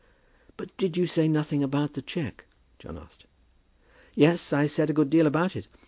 "But did you say nothing about the cheque?" John asked. "Yes, I said a good deal about it.